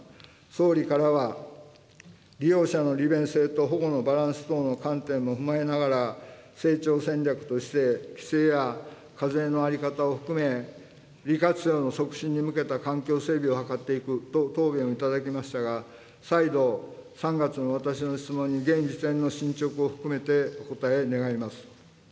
総理からは、利用者の利便性と保護のバランス等の観点も踏まえながら、成長戦略として、規制や課税の在り方を含め、利活用の促進に向けた環境整備を図っていくと答弁を頂きましたが、再度、３月の私の質問に現時点の進捗を含めてお答え願います。